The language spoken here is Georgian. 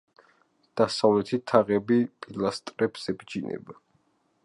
დასავლეთით თაღები პილასტრებს ებჯინება.